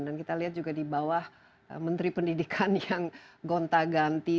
dan kita lihat juga di bawah menteri pendidikan yang gonta ganti